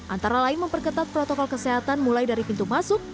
antara lain memperketat protokol kesehatan mulai dari pintu masuk